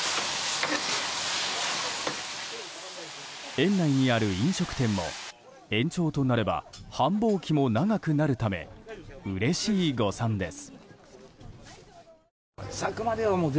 園内にある飲食店も延長となれば繁忙期も長くなるためうれしい誤算です。